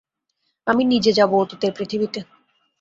আমি নিজে যাব অতীতের পৃথিবীতে।